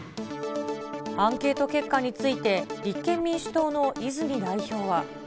アンケート結果について、立憲民主党の泉代表は。